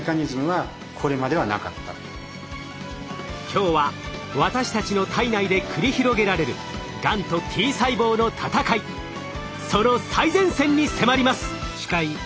今日は私たちの体内で繰り広げられるがんとＴ細胞の闘いその最前線に迫ります。